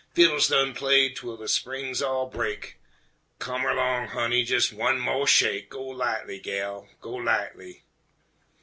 Fiddles done played twel de strings all break! Come erlong, honey, jes' one mo' shake, Go lightly, gal, go lightly!